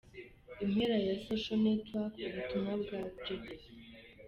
Impera ya {socialnetworck} ubutumwa bwa Gede.